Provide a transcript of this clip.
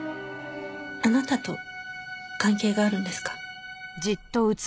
あなたと関係があるんですか？